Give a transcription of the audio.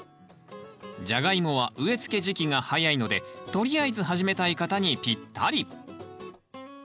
ジャガイモは植えつけ時期が早いのでとりあえず始めたい方にぴったり。